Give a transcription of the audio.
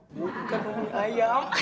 mau ikan mau ayam